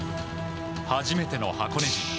初めての箱根。